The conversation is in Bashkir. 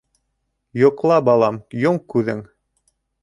Йокла, балам, йом күҙең